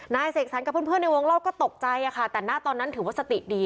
นายเสกสรรค์กับเพื่อนเพื่อนในวงเลิศก็ตกใจอะค่ะแต่หน้าตอนนั้นถือว่าสติดี